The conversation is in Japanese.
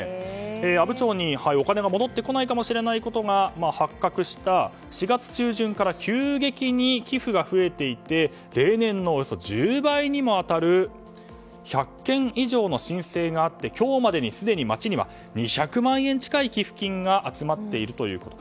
阿武町にお金が戻ってこないことが発覚した、４月中旬から急激に寄付が増えていって例年のおよそ１０倍に当たる１００件以上の申請があって今日までに町にはすでに２００万円近い寄付金が集まっているということ。